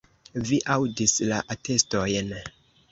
Vi aŭdis la atestojn.